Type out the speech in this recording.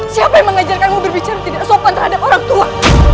siapa yang mengajarkanmu berbicara tidak sopan terhadap orang tua